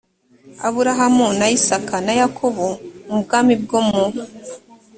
aburahamu na isaka na yakobo mu bwami bwo mu